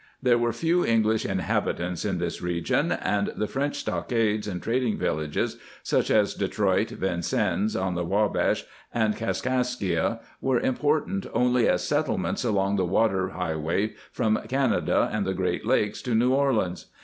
There were few English inhabitants in this region, and the French stockades and trading villages, such as Detroit, Vincennes on the Wabash, and Kas kaskia, were important only as settlements along the water highway from Canada and the Great Lakes to New Orleans.